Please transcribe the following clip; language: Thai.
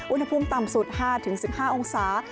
อุณหภูมิต่ำสุด๕๑๕องศา